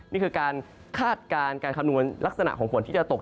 นี่คือการคาดการณ์การคำนวณลักษณะของฝนที่จะตก